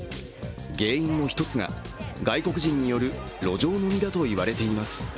原因の一つが外国人による路上飲みだといわれています。